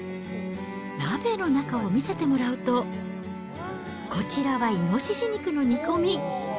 鍋の中を見せてもらうと、こちらはイノシシ肉の煮込み。